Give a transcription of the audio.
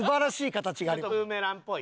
ブーメランっぽい。